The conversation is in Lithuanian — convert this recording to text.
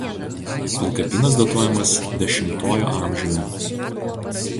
Pilkapynas datuojamas X a.